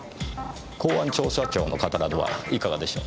公安調査庁の方などはいかがでしょう？